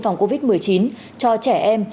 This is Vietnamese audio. phòng covid một mươi chín cho trẻ em